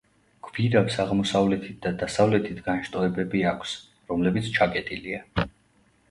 გვირაბს აღმოსავლეთით და დასავლეთით განშტოებები აქვს, რომლებიც ჩაკეტილია.